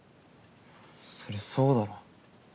そりゃそうだろ。